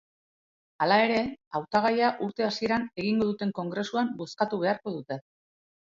Hala ere, hautagaia urte hasieran egingo duten kongresuan bozkatu beharko dute.